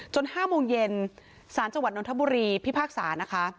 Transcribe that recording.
๕โมงเย็นสารจังหวัดนทบุรีพิพากษานะคะ